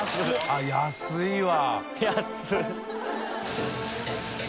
あっ安いわ。